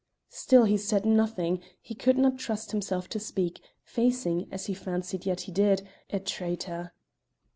Still he said nothing; he could not trust himself to speak, facing, as he fancied yet he did, a traitor.